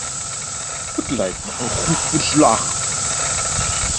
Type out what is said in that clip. Het lijkt mij een goed verslag.